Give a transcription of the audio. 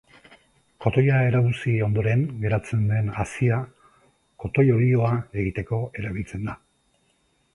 Kotoia erauzi ondoren geratzen den hazia kotoi-olioa egiteko erabiltzen da.